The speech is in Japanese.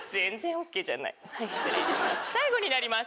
最後になります。